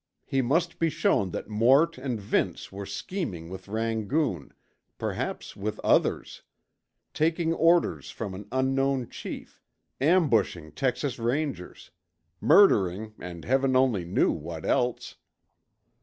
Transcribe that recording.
He must be shown that Mort and Vince were scheming with Rangoon, perhaps with others; taking orders from an unknown chief; ambushing Texas Rangers; murdering and Heaven only knew what else.